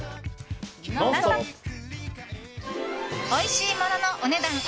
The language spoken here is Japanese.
おいしいもののお値段